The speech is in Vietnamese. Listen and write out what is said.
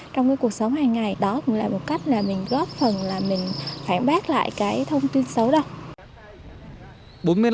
trong cái cuộc sống hàng ngày đó cũng là một cách là mình góp phần là mình phản bác lại cái thông tin xấu đâu